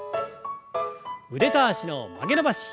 腕と脚の曲げ伸ばし。